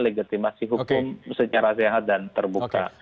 legitimasi hukum secara sehat dan terbuka